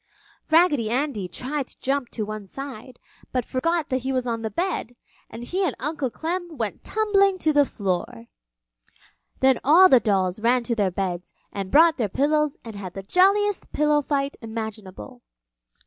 Raggedy Andy tried to jump to one side, but forgot that he was on the bed, and he and Uncle Clem went tumbling to the floor. Then all the dolls ran to their beds and brought their pillows and had the jolliest pillow fight imaginable.